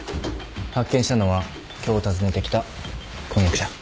発見したのは今日訪ねてきた婚約者。